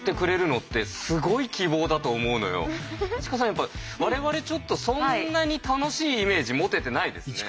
やっぱ我々ちょっとそんなに楽しいイメージ持ててないですね。